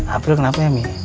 april kenapa ya mi